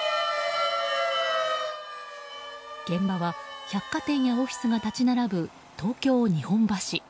現場は、百貨店やオフィスが立ち並ぶ東京・日本橋。